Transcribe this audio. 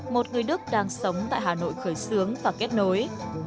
một người đức đang sống tại hà nội khởi xướng và kết nối